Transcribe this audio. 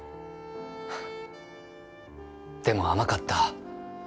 でも甘かった。